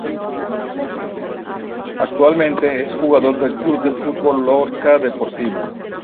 Actualmente es jugador del Club de Fútbol Lorca Deportiva